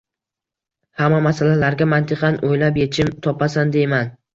Hamma masalalarga mantiqan o`ylab echim topasan, deyman